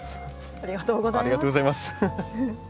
ありがとうございます。